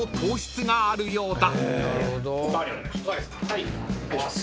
はい。